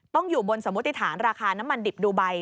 อยู่บนสมมติฐานราคาน้ำมันดิบดูไบ